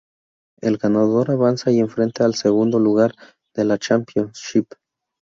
El ganador avanza y enfrenta al segundo lugar de la "Championship".